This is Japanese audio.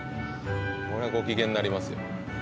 これはご機嫌になりますよ